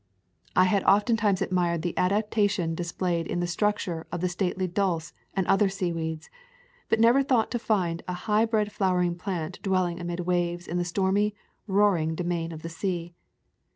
I had oftentimes admired the adaptation dis played in the structure of the stately dulse and other seaweeds, but never thought to find a highbred flowering plant dwelling amid waves in the stormy, roaring domain of the sea.